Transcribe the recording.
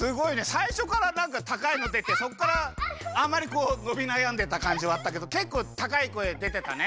さいしょからなんかたかいのでてそっからあんまりこうのびなやんでたかんじはあったけどけっこうたかい声でてたね。